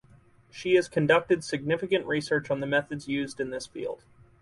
She has conducted significant research on the methods used in this field.